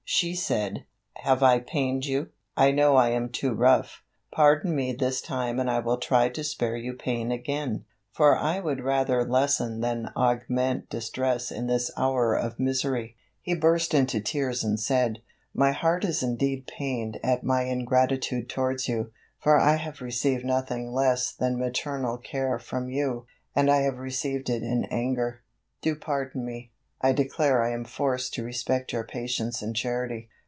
She said: "Have I pained you? I know I am too rough. Pardon me this time and I will try to spare you pain again, for I would rather lessen than augment distress in this hour of misery." He burst into tears and said: "My heart is indeed pained at my ingratitude towards you, for I have received nothing less than maternal care from you, and I have received it in anger. Do pardon me. I declare I am forced to respect your patience and charity.